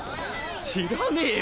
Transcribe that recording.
知らねぇよ。